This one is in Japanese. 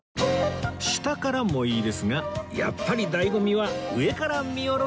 下からもいいですがやっぱり醍醐味は上から見下ろす景色